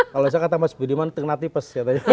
kalau saya kata mas bidiman tena tipes